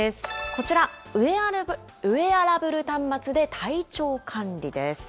こちら、ウエアラブル端末で体調管理です。